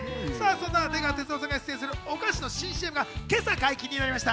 出川哲朗さんが出演するお菓子の新ＣＭが今朝、解禁になりました。